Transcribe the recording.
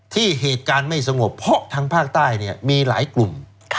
ที่เหตุการณ์ไม่สงบเพราะทางภาคใต้มีหลายกลุ่ม